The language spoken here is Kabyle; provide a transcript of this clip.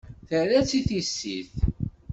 Terra-tt i tissit.